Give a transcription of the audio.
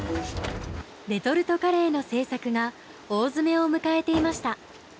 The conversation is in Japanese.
レトルトカレーの制作が大詰めを迎えていました。